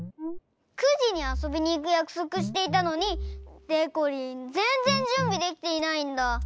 ９じにあそびにいくやくそくしていたのにでこりんぜんぜんじゅんびできていないんだ。